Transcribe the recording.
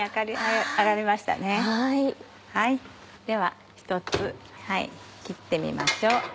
では１つ切ってみましょう。